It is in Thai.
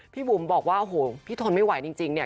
บุ๋มบอกว่าโอ้โหพี่ทนไม่ไหวจริงเนี่ย